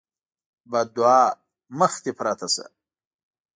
بدعا: مخ دې پرته شه!